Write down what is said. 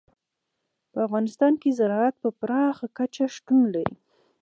په افغانستان کې زراعت په پراخه کچه شتون لري.